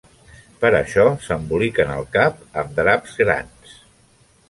Per això s"emboliquen el cap amb draps grans.